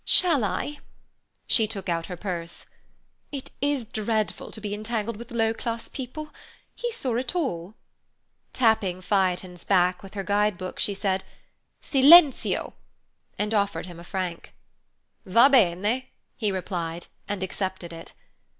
Shall I?" She took out her purse. "It is dreadful to be entangled with low class people. He saw it all." Tapping Phaethon's back with her guide book, she said, "Silenzio!" and offered him a franc. "Va bene," he replied, and accepted it.